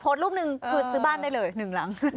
โพสต์รูปนึงคือซื้อบ้านได้เลย๑รัง